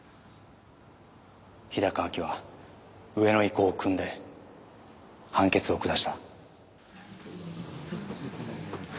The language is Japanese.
日高亜紀は上の意向をくんで判決を下した